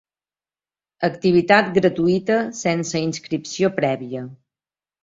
Activitat gratuïta sense inscripció prèvia.